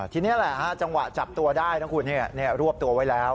ทีนี้แหละจังหวะจับตัวได้นะคุณรวบตัวไว้แล้ว